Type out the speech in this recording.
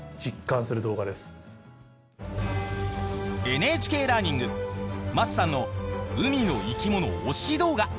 ＮＨＫラーニング桝さんの海の生き物推し動画。